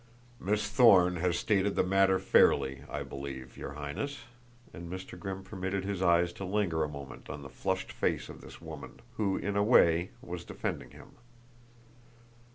"Miss Thorne has stated the matter fairly, I believe, your Highness," and Mr. Grimm permitted his eyes to linger a moment on the flushed face of this woman who, in a way, was defending him.